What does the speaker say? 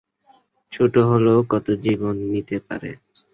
ছোটো হলেও কতো জীবন নিতে পারে।